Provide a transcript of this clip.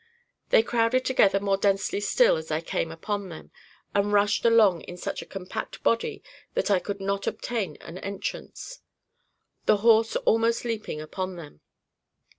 They crowded together more densely still as I came upon them, and rushed along in such a compact body, that I could not obtain an entrance the horse almost leaping upon them.